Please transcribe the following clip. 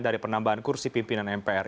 dari penambahan kursi pimpinan mpr